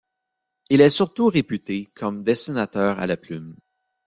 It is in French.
Il est surtout réputé comme dessinateur à la plume.